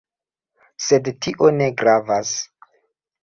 Sed tio ne gravas